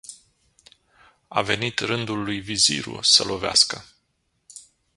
A venit rândul lui Viziru să lovească.